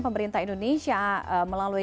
pemerintah indonesia melalui